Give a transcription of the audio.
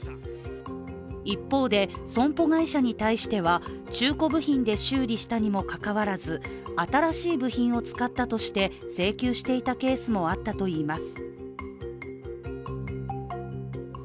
一方で、損保会社に対しては中古部品で修理したにもかかわらず、新しい部品を使ったとして請求していたケースもあったといいます。